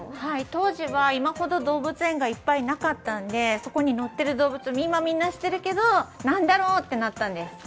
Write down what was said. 当時は今ほど動物園がいっぱいなかったんでそこに載ってる動物、今はみんな知ってるけど、何だろうってなったんです。